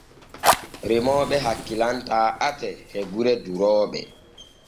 Remooɓe hakkilantaa ate e gure durooɓe.